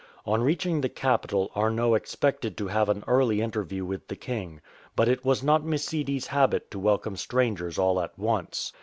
On reaching the capital Arnot expected to have an early interview with the king. But it was not Msidi's habit to welcome strangers all at once.